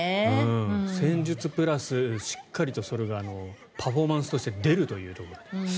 戦術プラス、しっかりとそれがパフォーマンスとして出るというところが。